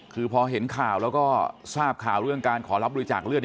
คือพอเห็นข่าวแล้วก็ทราบข่าวเรื่องการขอรับบริจาคเลือด